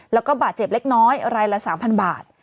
แล้วก็บาดเจ็บเล็กน้อยรายละ๓๐๐บาท